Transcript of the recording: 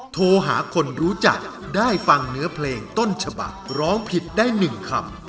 โทรหาคนรู้จักได้ฟังเนื้อเพลงต้นฉบักร้องผิดได้๑คำ